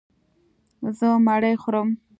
زه مړۍ خورم.